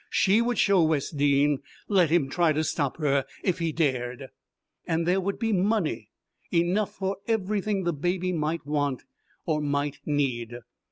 She would show Wes Dean! Let him try to stop her if he dared! And there would be money enough for everything the baby might want or might need.